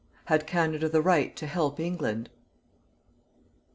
HAD CANADA THE RIGHT TO HELP ENGLAND?